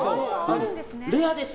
レアです。